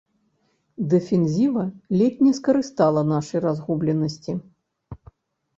Дэфензіва ледзь не скарыстала нашай разгубленасці.